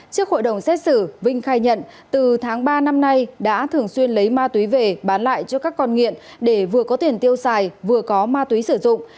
trước hội đồng xét xử vinh khai nhận từ tháng ba năm nay đã thường xuyên lấy ma túy về bán lại cho các con nghiện để vừa có tiền tiêu xài vừa có ma túy sử dụng